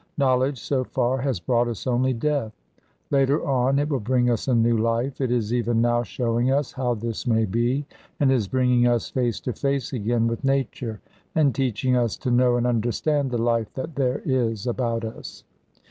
Knowledge so far has brought us only death. Later on it will bring us a new life. It is even now showing us how this may be, and is bringing us face to face again with Nature, and teaching us to know and understand the life that there is about us.